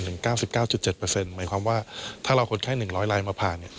หมายความว่าถ้าเราคนไข้๑๐๐ลายมาผ่าน